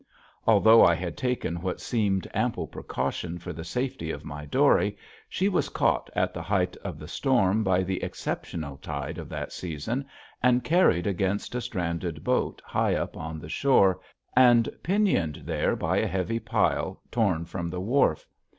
Although I had taken what seemed ample precaution for the safety of my dory, she was caught at the height of the storm by the exceptional tide of that season and carried against a stranded boat high up on the shore, and pinioned there by a heavy pile torn from the wharf.